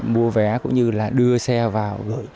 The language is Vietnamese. mua vé cũng như đưa xe vào